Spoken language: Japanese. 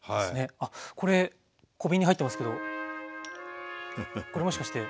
あっこれ小瓶に入ってますけどこれもしかして。